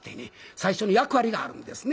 最初に役割があるんですね。